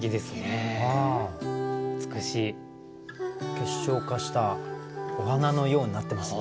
結晶化したお花のようになってますね。